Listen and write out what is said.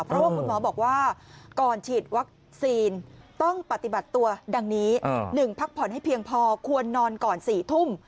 เพราะว่าคุณหมอบอกว่าก่อนฉีดวัคซีนต้องปฏิบัติตัวดังนี้๑พักผ่อนให้เพียงพอควรนอนก่อน๔ทุ่ม